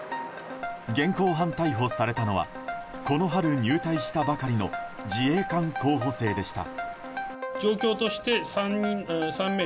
現行犯逮捕されたのはこの春、入隊したばかりの自衛官候補生でした。